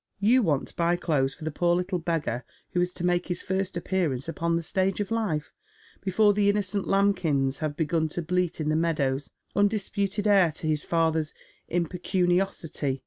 You want to buy clothes for the poor little beggar who is to make his first appearance upon the stage of life, before the innocent lambkins have begun to bleat in the meadows, undisputed heir to his father's impecuniosity.